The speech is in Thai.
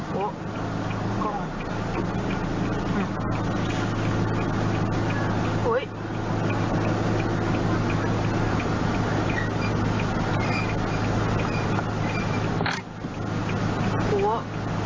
โอ้โหไม่เป็นไรนะครับ